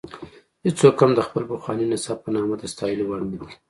هېڅوک هم د خپل پخواني نسب په نامه د ستایلو وړ نه دی.